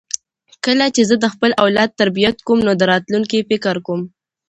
کله چې زه د خپل اولاد تربیت کوم نو د راتلونکي فکر کوم.